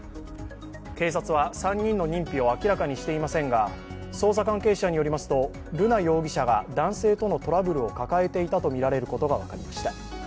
警察は、３人の認否を明らかにしていませんが捜査関係者によりますと、瑠奈容疑者が男性とのトラブルを抱えていたとみられることが分かりました。